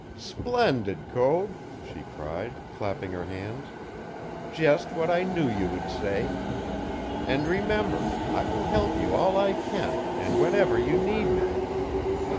"Splendid, Code!" she cried, clapping her hands. "Just what I knew you would say. And, remember, I will help you all I can and whenever you need me."